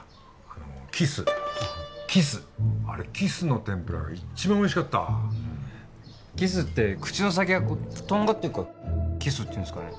あのキスキスあれキスの天ぷらが一番おいしかったキスって口の先がとんがってるからキスっていうんですかね？